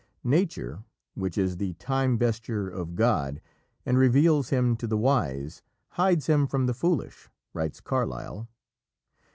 "Nature, which is the Time vesture of God and reveals Him to the wise, hides Him from the foolish," writes Carlyle.